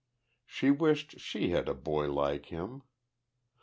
She wished she had a boy like him!